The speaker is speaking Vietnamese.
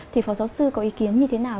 thì phó giáo sư có ý kiến như thế nào